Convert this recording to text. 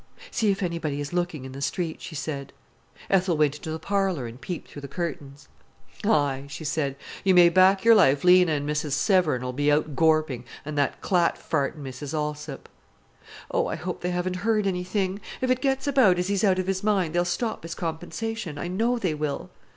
"See if anybody is looking in the street," she said. Ethel went into the parlour and peeped through the curtains. "Aye!" she said. "You may back your life Lena an' Mrs Severn'll be out gorping, and that clat fartin' Mrs Allsop." "Oh, I hope they haven't heard anything! If it gets about as he's out of his mind, they'll stop his compensation, I know they will."